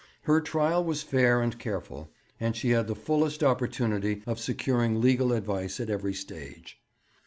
Her trial was fair and careful, and she had the fullest opportunity of securing legal advice at every stage.